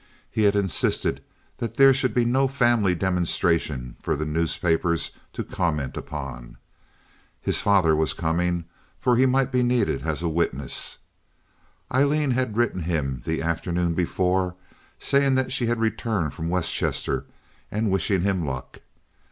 He had insisted that there should be no family demonstration for the newspapers to comment upon. His father was coming, for he might be needed as a witness. Aileen had written him the afternoon before saying she had returned from West Chester and wishing him luck.